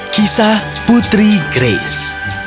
kisah putri grace